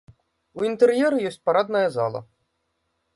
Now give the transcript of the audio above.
У інтэр'еры ёсць парадная зала.